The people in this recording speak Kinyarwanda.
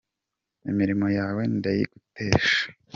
Imirimo yawe ndayigutesha